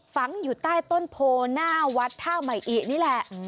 ฝังอยู่ใต้ต้นโพหน้าวัดท่าใหม่อินี่แหละ